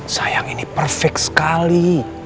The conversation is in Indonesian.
sayang ini perfect sekali